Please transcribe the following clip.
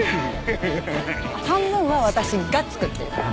半分は私が作ってるから。